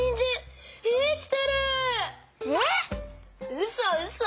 うそうそ。